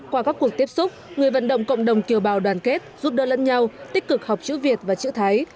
qua các cuộc tiếp xúc người vận động cộng đồng kiều bào đoàn kết giúp đỡ lẫn nhau tích cực học chữ việt và chữ thái